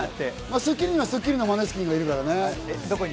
『スッキリ』には『スッキリ』のマネスキンがいるからね。